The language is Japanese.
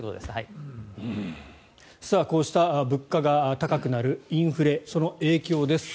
こうした物価が高くなるインフレその影響です。